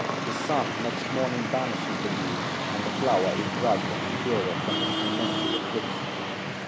The sun next morning banishes the dew, and the flower is brighter and purer from its momentary affliction.